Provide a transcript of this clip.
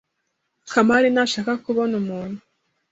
Kamari ntashaka kubona umuntu.